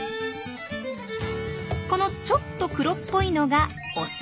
このちょっと黒っぽいのがオス。